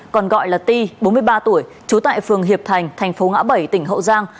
còn gọi là ti bốn mươi ba tuổi trú tại phường hiệp thành thành phố ngã bảy tỉnh hậu giang